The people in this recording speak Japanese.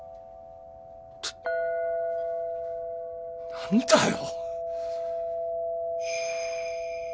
何だよ？